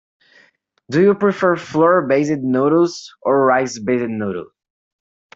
Do you prefer flour based noodles or rice based noodles?